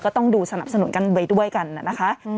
ต้องดูสนับสนุนกันไปด้วยกันนะคะ